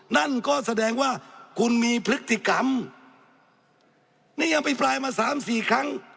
นั่นก็แสดงว่าคุณมีพฤติกรรมนี่ยังอภิปรายมาสามสี่ครั้ง